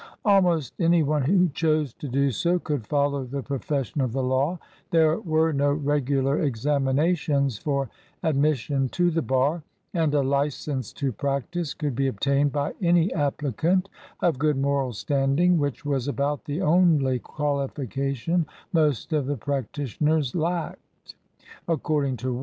Almost anyone who chose to do so could follow the profession of the law. 1 There were no regular examinations for admis sion to the bar, and a license to practice could be obtained by any applicant of good moral stand ing, which was about the only qualification most of the practitioners lacked, according to one au ir rhis is virtually the case in Indiana to day.